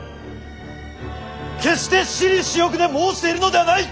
決して私利私欲で申しているのではない！